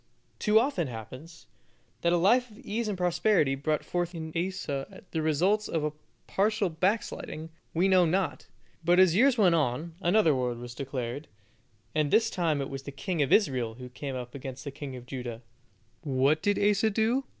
too often happens, that a life of ease and prosperity brought forth in Asa the results of partial backsliding, we know not; but as years went on, another war was declared, and this time it was the king of Israel who came up against the king of Judah. What did Asa do?